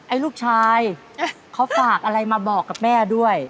ลูกชายเขาฝากอะไรมาบอกกับแม่ด้วย